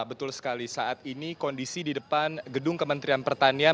betul sekali saat ini kondisi di depan gedung kementerian pertanian